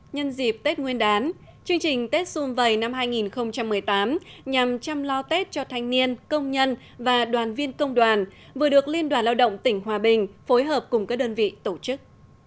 nhân dịp tết nguyên đán chương trình tết xuân vầy năm hai nghìn một mươi tám nhằm chăm lo tết cho thanh niên công nhân và đoàn viên công đoàn vừa được liên đoàn lao động tỉnh hòa bình phối hợp cùng các đơn vị tổ chức